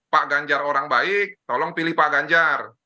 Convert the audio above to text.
pak ganjar orang baik tolong pilih pak ganjar